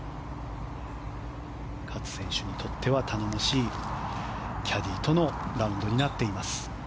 勝選手にとっては頼もしいキャディーとのラウンドになっています。